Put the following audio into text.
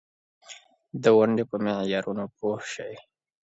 افغانستان د سیلابونو په اړه پوره علمي څېړنې لري.